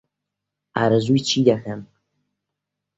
ئارەزووی چی دەکەن؟